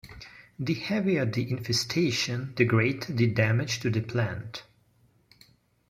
The heavier the infestation, the greater the damage to the plant.